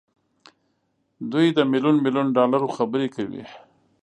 دوی د ميليون ميليون ډالرو خبرې کوي.